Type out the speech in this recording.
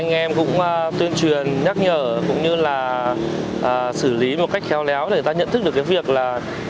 anh em cũng tuyên truyền nhắc nhở cũng như là xử lý một cách khéo léo để người ta nhận thức được cái việc là